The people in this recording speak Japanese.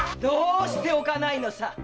どう捨ておかないのさ？